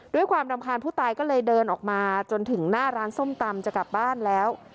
ด้วยความรำคาญผู้ตายก็เลยเดินออกมาจนถึงหน้าร้านส้มตำจะกลับบ้านแล้ว